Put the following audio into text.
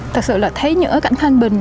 thật sự là thấy cảnh thanh bình